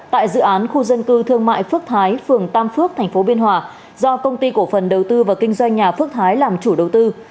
tại dự án khu dân cư thương mại phước thái phường tam phước tp biên hòa do công ty cổ phần đầu tư và kinh doanh nhà phước thái làm chủ đầu tư